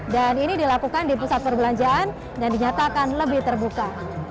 dan ini dilakukan di pusat perbelanjaan dan dinyatakan lebih terbuka